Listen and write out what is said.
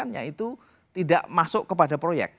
tiga puluh enam nya itu tidak masuk kepada proyek